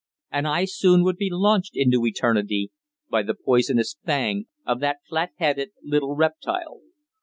And I soon would be launched into Eternity by the poisonous fang of that flat headed little reptile.